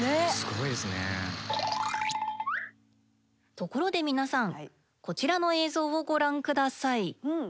ところで皆さんこちらの映像をご覧下さい。